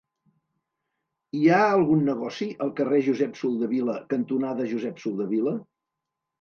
Hi ha algun negoci al carrer Josep Soldevila cantonada Josep Soldevila?